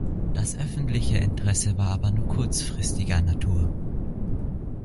Das öffentliche Interesse war aber nur kurzfristiger Natur.